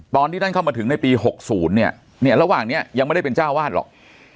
ตอนที่ท่านเข้ามาถึงในปี๖๐เนี่ยเนี่ยระหว่างนี้ยังไม่ได้เป็นเจ้าวาดหรอก